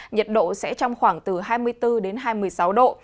nhiệt độ sẽ trong khoảng hai mươi bốn hai mươi sáu độ